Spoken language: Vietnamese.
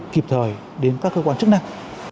kịp thời đến các cơ quan chức năng